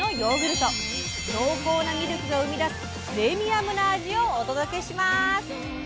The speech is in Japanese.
濃厚なミルクが生み出すプレミアムな味をお届けします！